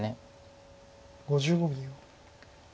５５秒。